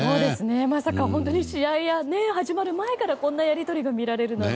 まさか本当に試合が始まる前からこんなやり取りが見られるなんて。